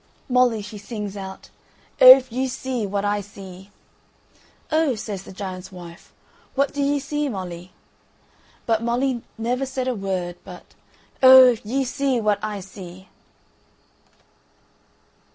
Molly she sings out: "Oh, if ye saw what I see." "Oh," says the giant's wife, "what do ye see, Molly?" But Molly never said a word but, "Oh, if ye saw what I see!"